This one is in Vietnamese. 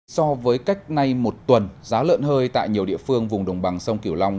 so với cách nay một tuần giá lợn hơi tại nhiều địa phương vùng đồng bằng sông kiểu long